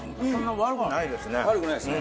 悪くないですね。